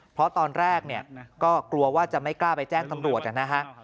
เพราะตอนแรกกลัวว่าจะไม่กล้าไปแจ้งตำรวจ